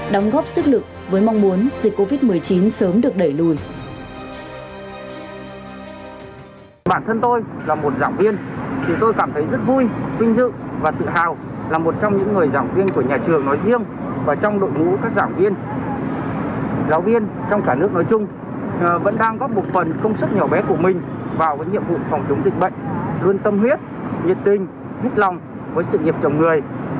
đóng góp sức lực với mong muốn dịch covid một mươi chín sớm được đẩy lùi